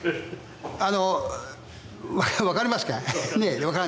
あの分かりますか？